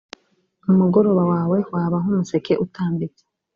umugoroba wawe waba nk umuseke utambitse